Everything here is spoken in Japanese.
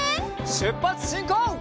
しゅっぱつしんこう！